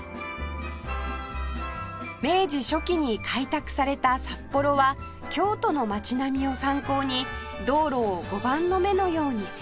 明治初期に開拓された札幌は京都の街並みを参考に道路を碁盤の目のように整備